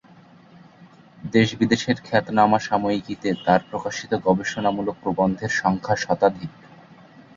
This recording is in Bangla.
দেশ বিদেশের খ্যাতনামা সাময়িকীতে তার প্রকাশিত গবেষণামূলক প্রবন্ধের সংখ্যা শতাধিক।